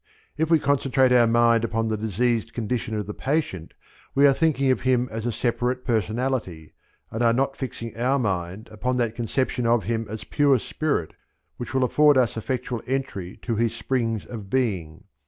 If we concentrate our mind upon the diseased condition of the patient we are thinking of him as a separate personality, and are not fixing our mind upon that conception of him as pure spirit which will afford us effectual entry to his springs of being.